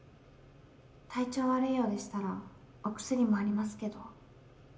体調悪いようでしたらお薬もありますけど。